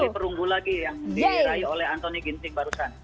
kita berambah satu medali perunggu lagi yang diraih oleh anthony ginting barusan